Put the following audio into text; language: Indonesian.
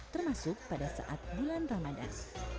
termasuk pada saat bulan ramadan